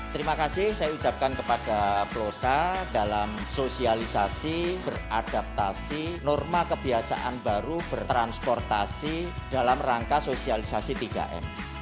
terima kasih saya ucapkan kepada plosa dalam sosialisasi beradaptasi norma kebiasaan baru bertransportasi dalam rangka sosialisasi tiga m